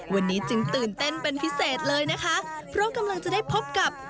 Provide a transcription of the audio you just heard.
วันนี้จึงตื่นเต้นเป็นพิเศษเลยนะคะเพราะกำลังจะได้พบกับ